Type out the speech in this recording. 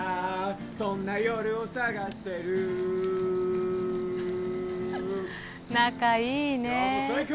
そんな夜を探してる仲いいね今日も最高！